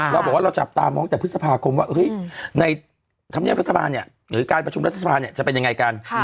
เราบอกว่าเราจับตามมองแต่พฤษภาคมว่าเฮ้ยในคำเนี้ยงรัฐบาลเนี่ยหรือการประชุมรัฐศาสตร์เนี่ยจะเป็นยังไงกัน